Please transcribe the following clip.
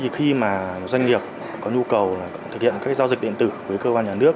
khi mà doanh nghiệp có nhu cầu thực hiện các giao dịch điện tử với cơ quan nhà nước